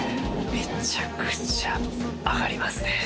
めちゃくちゃあがりますね。